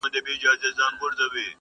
د غوايي تشو رمباړو تښتولی -